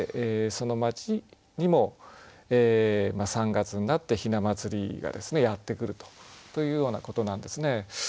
その街にも３月になってひな祭りがですねやってくるとというようなことなんですね。